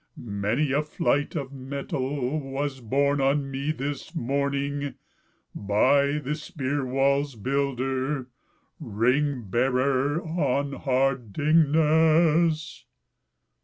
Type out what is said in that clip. Many a flight of metal Was borne on me this morning, By the spear walls' builder, Ring bearer, on hard Dingness."